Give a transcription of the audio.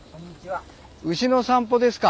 牛の散歩ですか？